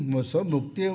một số mục tiêu